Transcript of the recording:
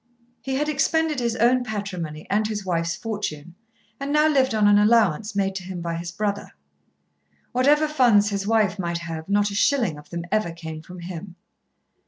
He had expended his own patrimony and his wife's fortune, and now lived on an allowance made to him by his brother. Whatever funds his wife might have not a shilling of them ever came from him.